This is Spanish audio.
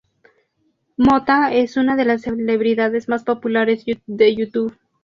Mota es una de las celebridades más populares de YouTube.